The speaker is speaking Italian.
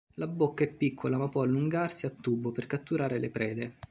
La bocca è piccola ma può allungarsi a tubo per catturare le prede.